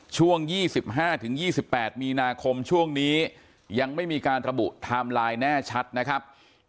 ช่วง๒๕๒๘มีนาคมช่วงนี้ยังไม่มีการระบุไทม์ไลน์แน่ชัดนะครับ